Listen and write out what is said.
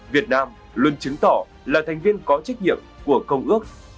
việt nam luôn chứng tỏ là thành viên có trách nhiệm của công ước